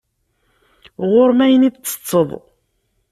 Ɣur-m ayen i ttetteḍ.